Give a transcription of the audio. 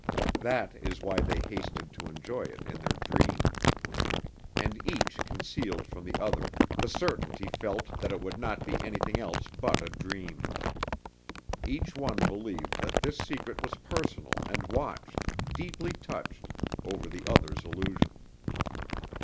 That is why they hasted to enjoy it in their dream. And each concealed from the other the certainty felt that it would not be anything else but a dream. Each one believed that this secret was personal and watched, deeply touched, over the other's illusion.